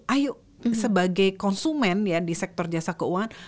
ayo sebagai konsumen ya di sektor jasa keuangan